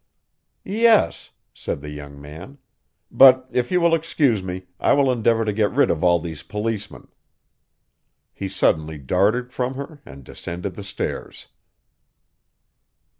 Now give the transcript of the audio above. "Yes," said the young man, "but if you will excuse me I will endeavor to get rid of all these policemen." He suddenly darted from her and descended the stairs.